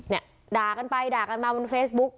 เนี่ยด่ากันไปด่ากันมาบนเฟซบุ๊ก